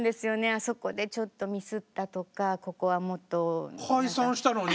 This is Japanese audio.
あそこでちょっとミスったとかここはもっと。解散したのに？